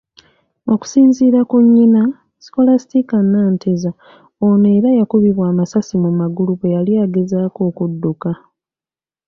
Okusinziira ku nnyina, Scholastica Nanteza, ono era yakubibwa amasasi mu magulu bwe yali agezaako okudduka.